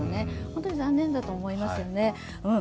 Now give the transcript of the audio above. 本当に残念だと思いますよね。